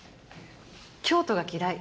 京都が嫌い。